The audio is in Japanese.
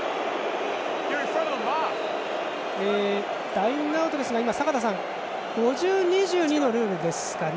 ラインアウトでしたが坂田さん５０：２２のルールですかね。